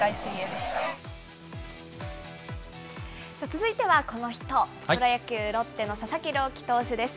続いてはこの人、プロ野球・ロッテの佐々木朗希投手です。